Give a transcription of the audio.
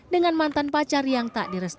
dengan mantan pacar yang tak diresmikan